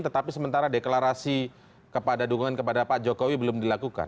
tetapi sementara deklarasi kepada dukungan kepada pak jokowi belum dilakukan